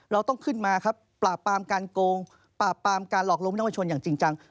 เราต้องขึ้นมาครับปราบปรามการโกงปราบปรามการหลอกลวงนักประชนอย่างจริงจัง